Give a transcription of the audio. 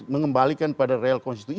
mengembalikan pada real konstitusi